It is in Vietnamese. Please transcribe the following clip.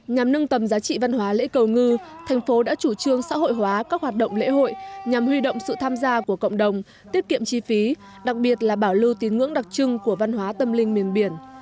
nhằm nâng tầm giá trị văn hóa lễ cầu ngư thành phố đã chủ trương xã hội hóa các hoạt động lễ hội nhằm huy động sự tham gia của cộng đồng tiết kiệm chi phí đặc biệt là bảo lưu tín ngưỡng đặc trưng của văn hóa tâm linh miền biển